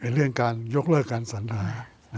เรื่องการยกเลิกการสัญหา